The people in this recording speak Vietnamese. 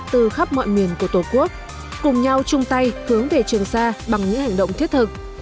từ khắp mọi miền của tổ quốc cùng nhau chung tay hướng về trường sa bằng những hành động thiết thực